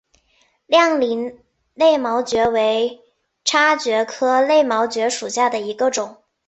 亮鳞肋毛蕨为叉蕨科肋毛蕨属下的一个种。